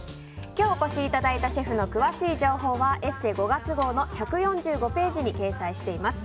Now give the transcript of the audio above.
今日お越しいただいたシェフの詳しい情報は「ＥＳＳＥ」５月号の１４５ページに掲載しています。